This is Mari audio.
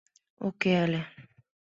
Уке але.